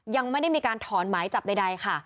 ยังไม่ได้มีการถอนหมายจับใดค่ะ